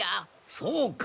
そうか。